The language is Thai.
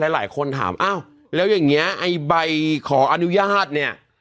หลายคนถามอ้าวแล้วอย่างนี้ไอ้ใบขออนุญาตเนี่ย